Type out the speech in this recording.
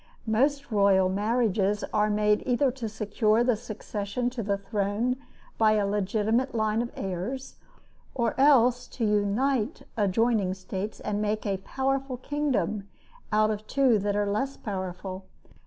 Most royal marriages are made either to secure the succession to a throne by a legitimate line of heirs or else to unite adjoining states and make a powerful kingdom out of two that are less powerful.